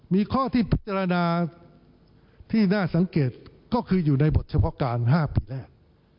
มีข้อที่พิจารณาที่น่าสังเกตก็คืออยู่ในบทเฉพาะการ๕ปีแรก